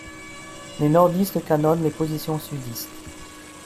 Les nordistes canonnent les positions sudistes.